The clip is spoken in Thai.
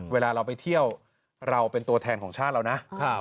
เวลาเราไปเที่ยวเราเป็นตัวแทนของชาติเรานะ